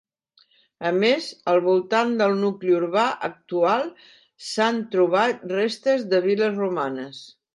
A més, al voltant del nucli urbà actual s'han trobat restes de viles romanes.